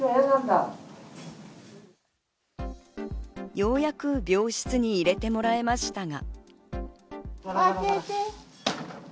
ようやく病室に入れてもらえましたが。